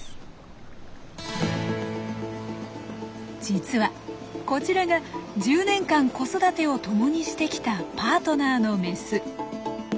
実はこちらが１０年間子育てをともにしてきたパートナーのメス。